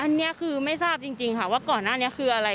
อันนี้คือไม่ทราบจริงค่ะว่าก่อนหน้านี้คืออะไร